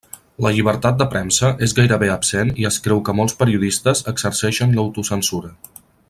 La llibertat de premsa és gairebé absent i es creu que molts periodistes exerceixen l'autocensura.